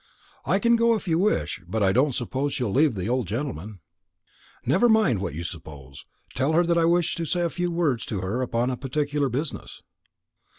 "I can go if you wish, but I don't suppose she'll leave the old gentleman." "Never mind what you suppose. Tell her that I wish to say a few words to her upon particular business."